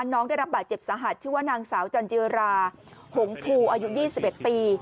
น้องได้รับบาดเจ็บสาหัสชื่อว่านางสาวจันจิราหงภูอายุ๒๑ปี